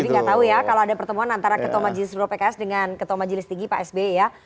jadi gak tahu ya kalau ada pertemuan antara ketua majelis suro pks dengan ketua majelis tinggi pak sbe ya